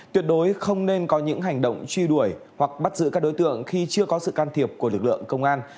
tuyệt đối không nên có những hành động truy đuổi hoặc bắt giữ các đối tượng khi chưa có sự can thiệp của lực lượng công an